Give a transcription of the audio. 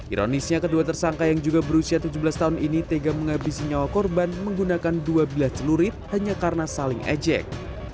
ironisnya kedua tersangka yang juga berusia tujuh belas tahun ini tega menghabisi nyawa korban menggunakan dua bilah celurit hanya karena saling ejek